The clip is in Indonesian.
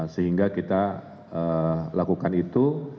sehingga kita lakukan itu